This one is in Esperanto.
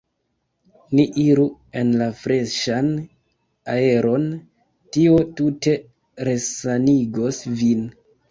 Ni iru en la freŝan aeron, tio tute resanigos vin.